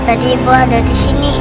tadi ibu ada di sini